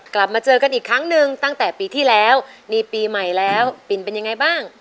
กลับมาเจอกันอีกครั้งหนึ่งตั้งแต่ปีที่แล้วนี่ปีใหม่แล้วปินเป็นยังไงบ้าง